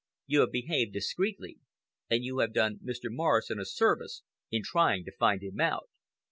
You have behaved discreetly, and you have done Mr. Morrison a service in trying to find him out.